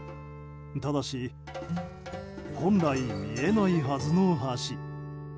ただし本来見えないはずの橋。